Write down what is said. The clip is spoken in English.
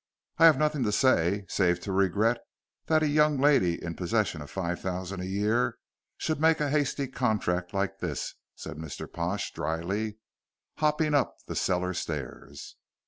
"I have nothing to say, save to regret that a young lady in possession of five thousand a year should make a hasty contract like this," said Mr. Pash, dryly, and hopping up the cellar stairs.